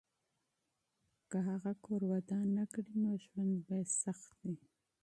که هغه کور ودان نه کړي، نو ژوند به یې سخت وي.